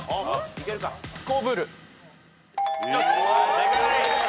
正解。